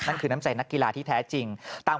คือน้ำใจนักกีฬาที่แท้จริง